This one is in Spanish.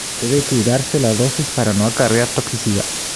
Debe cuidarse la dosis para no acarrear toxicidad.